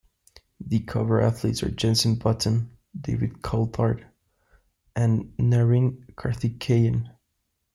The cover athletes are Jenson Button, David Coulthard and Narain Karthikeyan.